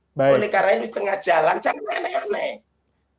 oleh karena ini di tengah jalan jangan aneh aneh